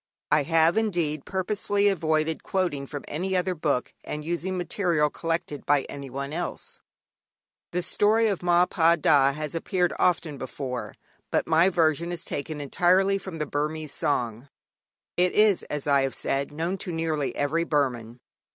I have, indeed, purposely avoided quoting from any other book and using material collected by anyone else. The story of Ma Pa Da has appeared often before, but my version is taken entirely from the Burmese song. It is, as I have said, known to nearly every Burman.